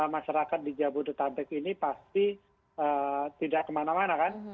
masyarakat di jabodetabek ini pasti tidak kemana mana kan